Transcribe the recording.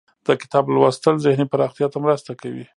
د کتاب لوستل ذهني پراختیا ته مرسته کوي.